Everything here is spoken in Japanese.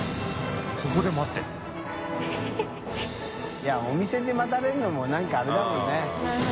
いやお店で待たれるのも何かあれだもんね。